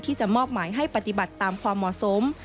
ที่จะมอบหมายให้ปฏิบัติตามความเหมาะสม